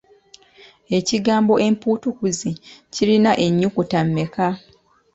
Ekigambo empuutukuzi kirina ennyukuta mmeka?